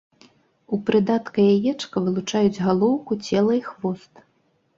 У прыдатка яечка вылучаюць галоўку, цела і хвост.